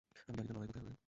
আমি জানিনা লড়াই কোথায় হবে।